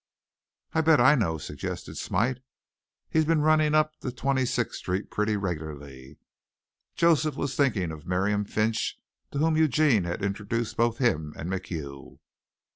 "I bet I know," suggested Smite. "He's been running up to Twenty sixth Street pretty regularly." Joseph was thinking of Miriam Finch, to whom Eugene had introduced both him and MacHugh.